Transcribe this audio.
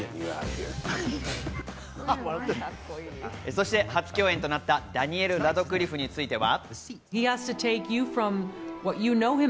そして初共演となったダニエル・ラドクリフについては。